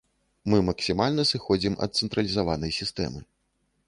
Мы максімальна сыходзім ад цэнтралізаванай сістэмы.